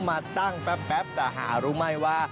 มาตั้งแป๊บแต่หรือไม่ว่า